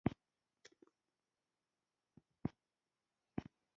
په تورونو کي دي بند کړل زموږ سرونه